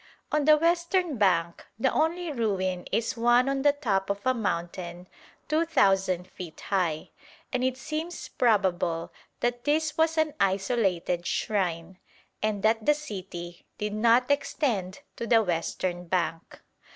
On the western bank the only ruin is one on the top of a mountain 2,000 feet high, and it seems probable that this was an isolated shrine, and that the city did not extend to the western bank.